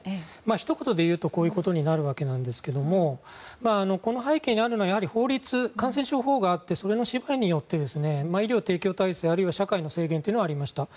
ひと言でいうとこういうことになるんですがこの背景にあるのは法律感染症法があってそれによって医療提供体制そして社会の制限もありました。